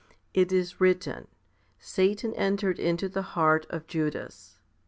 It is written, Satan entered into the heart of Judas.